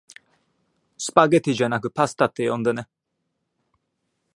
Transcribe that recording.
スパゲティじゃなくパスタって呼んでね